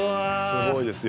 すごいですよ。